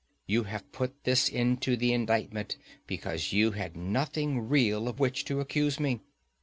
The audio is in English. You have put this into the indictment because you had nothing real of which to accuse me.